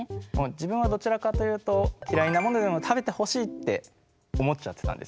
自分はどちらかというと嫌いなものでも食べてほしいって思っちゃってたんですよね。